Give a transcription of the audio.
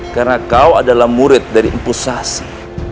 karena kau adalah murid dari mpusasi